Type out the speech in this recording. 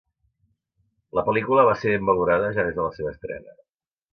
La pel·lícula va ser ben valorada ja des de la seva estrena.